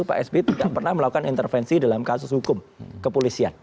pak sby tidak pernah melakukan intervensi dalam kasus hukum kepolisian